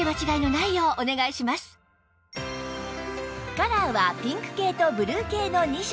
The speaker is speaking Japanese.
カラーはピンク系とブルー系の２色